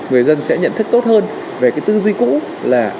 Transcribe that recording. người dân sẽ nhận thức tốt hơn về cái tư duy cũ là